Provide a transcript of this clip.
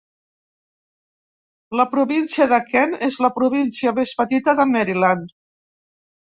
La província de Kent és la província més petita de Maryland.